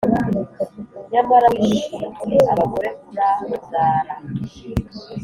Nyamara wishinze abagore, uramwara